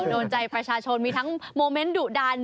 โดนใจประชาชนมีทั้งโมเมนต์ดุดัน